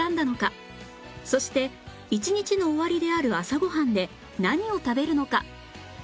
そして一日の終わりである朝ご飯で何を食べるのか？